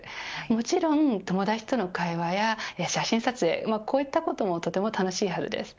もちろん友達との会話や写真撮影もとても楽しいはずです。